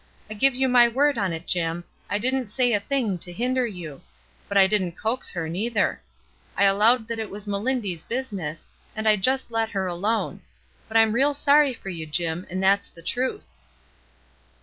I give you my word on it, Jim, I didn't say a thing to hinder you; but I didn't coax her, neither. I allowed that it was Melindy's business, and I just let her alone; but I'm real sorry for you, Jim, and that's the truth."